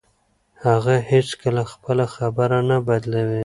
هغه هیڅکله خپله خبره نه بدلوي.